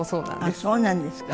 あっそうなんですか。